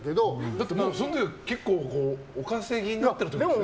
だって、もうその時は結構お稼ぎになってる時ですよね？